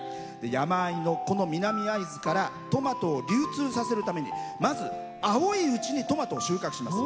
山あいの南会津からトマトを流通させるためにまず青いうちにトマトを収穫します。